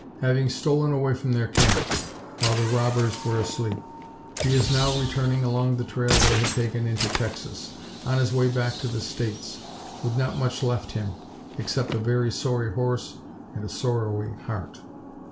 Having stolen away from their camp while the robbers were asleep he is now returning along the trail they had taken into Texas, on his way back to the States, with not much left him, except a very sorry horse and a sorrowing heart.